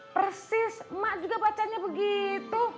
persis emak juga bacanya begitu